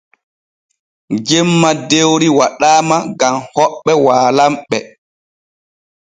Jemma dewri waɗaama gam hoɓɓe waalanɓe.